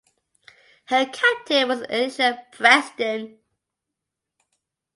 Her captain was Elisha Preston.